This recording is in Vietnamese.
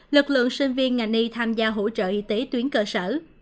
lực lượng sinh viên ngành y tham gia hỗ trợ y tế tuyến cơ sở